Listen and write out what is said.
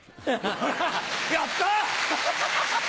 やった！